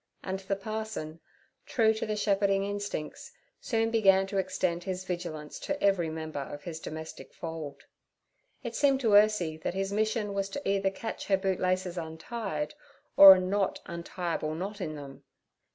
And the parson, true to the shepherding instincts, soon began to extend his vigilance to every member of his domestic fold. It seemed to Ursie that his mission was to either catch her bootlaces untied or a not untiable knot in them.